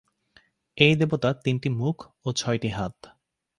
এই দেবতার তিনটি মুখ ও ছয়টি হাত।